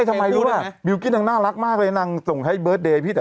ส่งผมนะส่งผม